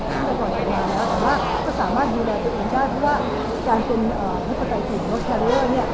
แต่ก็สามารถดูแลตัวเองได้เพราะว่าการเป็นนักประกายศิลป์นกแคลเลอร์เนี่ย